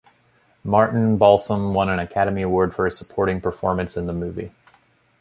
Martin Balsam won an Academy Award for his supporting performance in the movie.